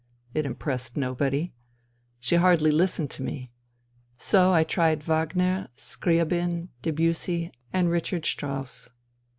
It impressed nobody. She hardly listened to me. So I tried Wagner, Scriabin, Debussy and Richard Strauss.